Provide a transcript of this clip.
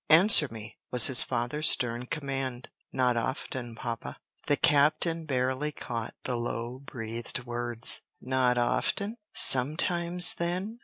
"Answer me," was his father's stern command. "Not often, papa." The captain barely caught the low breathed words. "Not often? sometimes, then?"